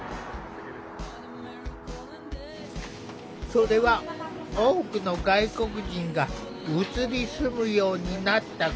それは多くの外国人が移り住むようになったこと。